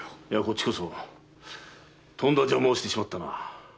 いやこっちこそとんだ邪魔をしてしまったな。